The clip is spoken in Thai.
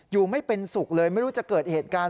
ไม่เป็นสุขเลยไม่รู้จะเกิดเหตุการณ์